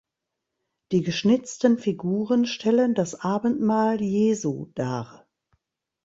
Die geschnitzten Figuren stellen das Abendmahl Jesu dar.